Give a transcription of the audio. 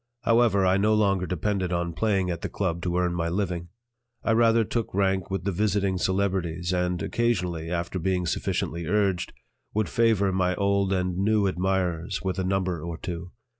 However, I no longer depended on playing at the "Club" to earn my living; I rather took rank with the visiting celebrities and, occasionally, after being sufficiently urged, would favor my old and new admirers with a number or two.